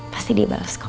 pasti dia bales kok